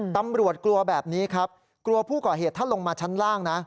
ตำรวจกลัวแบบนี้ครับกลัวผู้ก่อเหตุถ้าลงมาชั้นล่างนะ